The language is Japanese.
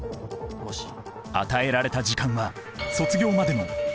与えられた時間は卒業までの７２時間。